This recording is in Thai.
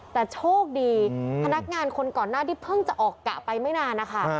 แต่โชคดีพนักงานคนก่อนหน้าที่เพิ่งจะออกกะไปไม่นานนะคะ